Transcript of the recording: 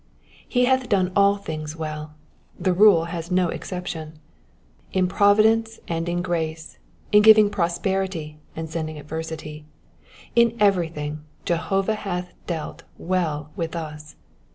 He hath done all things well : the rule has no exception. In providence and in grace, in giving prosperity and sending adversity, in everything Jehovah nath dealt well with us.